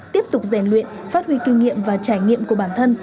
tiếp tục rèn luyện phát huy kinh nghiệm và trải nghiệm của bản thân